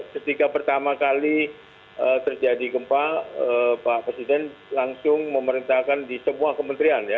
setika pertama kali terjadi gempa pak presiden langsung memerintahkan di semua kementrian